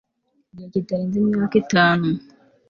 gihe kitarenze imyaka itanu